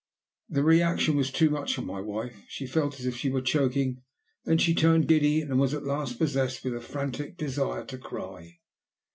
The reaction was too much for my wife; she felt as if she were choking, then she turned giddy, and at last was possessed with a frantic desire to cry.